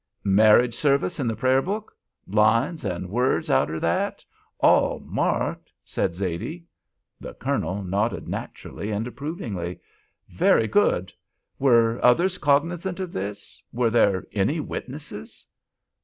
"Marriage Service in the prayer book—lines and words outer that—all marked," said Zaidee. The Colonel nodded naturally and approvingly. "Very good. Were others cognizant of this? Were there any witnesses?"